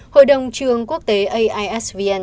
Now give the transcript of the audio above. hội đồng trường quốc tế aisvn